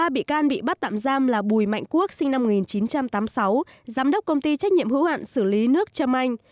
ba bị can bị bắt tạm giam là bùi mạnh quốc sinh năm một nghìn chín trăm tám mươi sáu giám đốc công ty trách nhiệm hữu hạn xử lý nước trâm anh